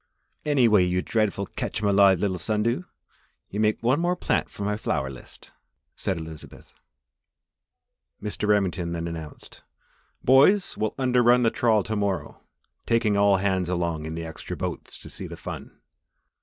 "Anyway, you dreadful catch 'em alive little sun dew, you make one more plant for my flower list," said Elizabeth. Mr. Remington then announced: "Boys, we'll under run the trawl to morrow, taking all hands along in the extra boats to see the fun.